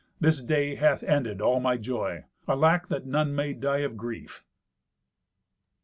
This day hath ended all my joy. Alack! that none may die of grief!"